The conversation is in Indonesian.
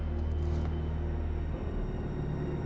tentang apa yang terjadi